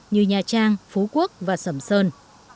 như nha trang phú quốc và sầm sơn